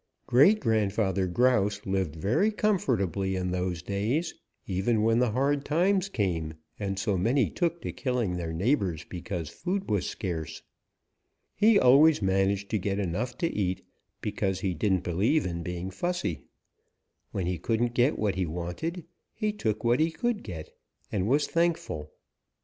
"Great grandfather Grouse lived very comfortably in those days, even when the hard times came and so many took to killing their neighbors because food was scarce. He always managed to get enough to eat because he didn't believe in being fussy. When he couldn't get what he wanted, he took what he could get and was thankful.